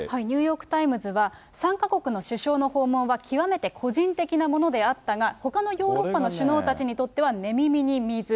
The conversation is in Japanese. ニューヨーク・タイムズは、３か国の首相の訪問は極めて個人的なものであったが、ほかのヨーロッパの首脳たちにとっては、寝耳に水。